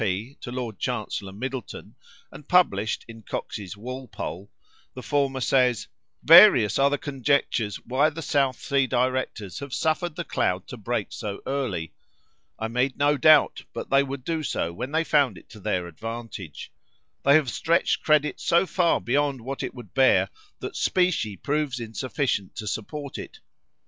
P., to Lord Chancellor Middleton, and published in Coxe's Walpole, the former says: "Various are the conjectures why the South Sea directors have suffered the cloud to break so early. I made no doubt but they would do so when they found it to their advantage. They have stretched credit so far beyond what it would bear, that specie proves insufficient to support it.